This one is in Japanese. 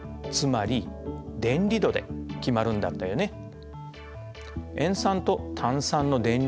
つまり電離度で決まるんだったよね。